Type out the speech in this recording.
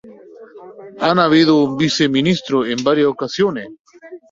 Ha habido un viceministro en varias ocasiones.